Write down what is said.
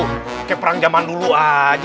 kayak perang zaman dulu aja